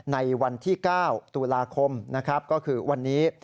ในวันที่๙ธุลาคมก็คือวันนี้